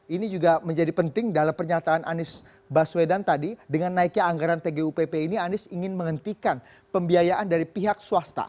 ini juga menjadi penting dalam pernyataan anies baswedan tadi dengan naiknya anggaran tgupp ini anies ingin menghentikan pembiayaan dari pihak swasta